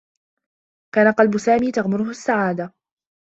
كان قلب سامي تغمره السّعادة.